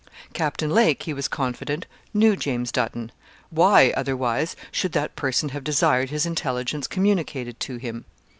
Captain Lake, he was confident, knew James Dutton why, otherwise, should that person have desired his intelligence communicated to him.